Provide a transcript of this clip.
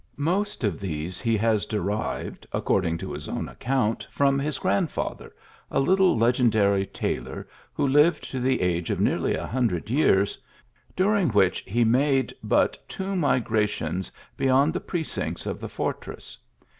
Most of these he has derived, according to his own account, from his grandfather, a little legend ary tailor, who lived to the age of nearly a hundred years, during which he made but two migrations be yond the precincts of the fortress.